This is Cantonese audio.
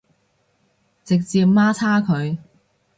直接媽叉佢